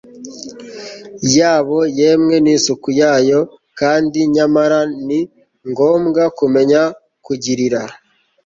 yabo, yemwe n'isuku yayo! kandi nyamara ni ngombwa kumenya kugirira